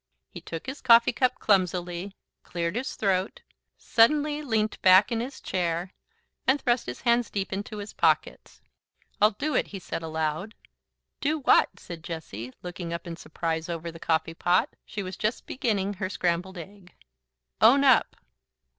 He took his coffee cup clumsily, cleared his throat, suddenly leant back in his chair, and thrust his hands deep into his pockets. "I'll do it," he said aloud. "Do what?" said Jessie, looking up in surprise over the coffee pot. She was just beginning her scrambled egg. "Own up."